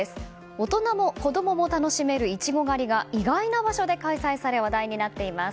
大人も子供も楽しめるイチゴ狩りが意外な場所で開催され話題になっています。